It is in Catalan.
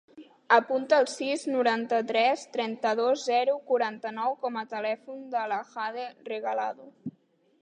Apunta el sis, noranta-tres, trenta-dos, zero, quaranta-nou com a telèfon de la Jade Regalado.